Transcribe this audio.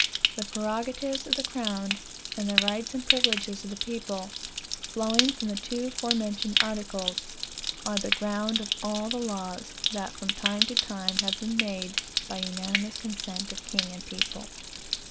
The prerogatives of the crown, and the rights and privileges of the people, flowing from the two fore mentioned articles, are the ground of all the laws that from time to time have been made by unanimous consent of king and people.